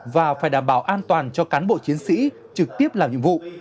và phải đảm bảo an toàn cho cán bộ chiến sĩ trực tiếp làm nhiệm vụ